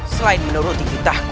selain menuruti kitahku